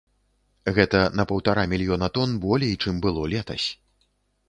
Гэта на паўтара мільёна тон болей, чым было летась.